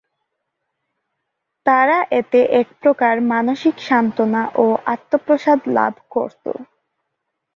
তারা এতে এক প্রকার মানসিক সান্ত্বনা ও আত্মপ্রসাদ লাভ করত।